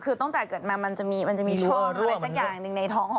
คือตอนแตกอาทิตย์มามันจะมีช่องในท้องชนิดหนึ่ง